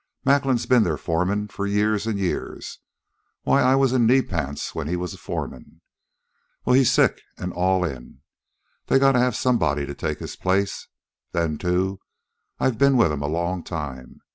Macklin's ben their foreman for years an' years why I was in knee pants when he was foreman. Well, he's sick an' all in. They gotta have somebody to take his place. Then, too, I've been with 'em a long time.